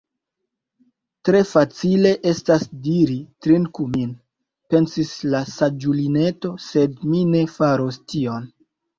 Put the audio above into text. "Tre facile estas diri 'Trinku min'" pensis la saĝulineto, "sed mi ne faros tion. »